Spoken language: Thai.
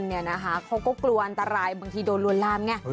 เขาก็กลัวอันตรายบางทีโดนลวนลามไง